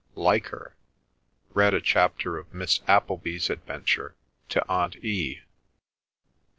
Like her. Read a chapter of Miss Appleby's Adventure to Aunt E.